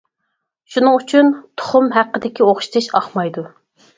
شۇنىڭ ئۈچۈن، تۇخۇم ھەققىدىكى ئوخشىتىش ئاقمايدۇ.